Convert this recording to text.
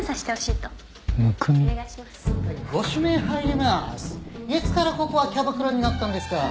いつからここはキャバクラになったんですか？